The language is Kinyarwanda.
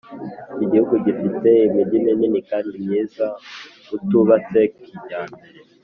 Iki gihugu gifite imigi minini kandi myiza utubatse kijyambere